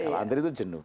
kalau antri itu jenuh